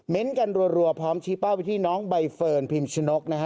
กันรัวพร้อมชี้เป้าไปที่น้องใบเฟิร์นพิมชนกนะฮะ